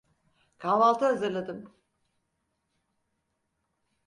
Kahvaltı hazırladım.